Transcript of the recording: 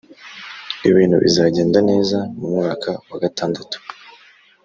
ibintu bizagenda neza mu mwaka wagatandatu